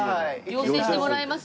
養成してもらいます？